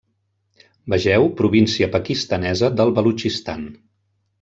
Vegeu Província pakistanesa del Balutxistan.